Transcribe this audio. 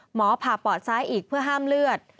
หมอผ่าปอดซ้ายอีกเพื่อห้ามเลือด